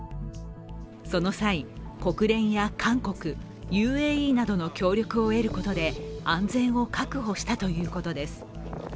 その際、国連や韓国ＵＡＥなどの協力を得ることで安全を確保したということです。